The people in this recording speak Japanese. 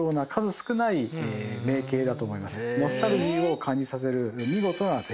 ノスタルジーを感じさせる。